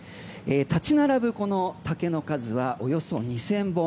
立ち並ぶ竹の数はおよそ２０００本。